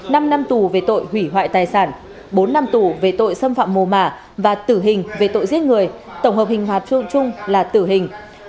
năm năm tù về tội hủy hoại tài sản bốn năm tù về tội xâm phạm mồ mả và tử hình về tội giết người tổng hợp hình phạt chung là tử hình